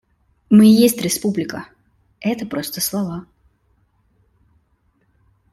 Мы и есть Республика, это просто слова.